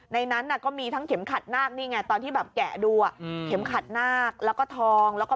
ในนั้นก็มีทั้งเข็มขัดหน้ากูนะตอนที่แบบแกะดูอ่ะเข็มขัดหน้ากูแล้วก็ทองแล้วก็